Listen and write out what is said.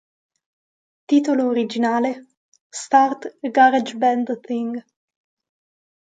Titolo originale: "Start a Garage Band Thing!